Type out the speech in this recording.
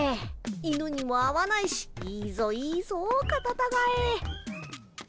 犬にも会わないしいいぞいいぞカタタガエ。